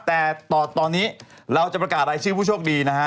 แต่ตอนนี้เราจะประกาศรายชื่อผู้โชคดีนะฮะ